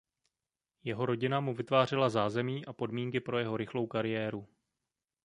Jeho rodina mu vytvářela zázemí a podmínky pro jeho rychlou kariéru.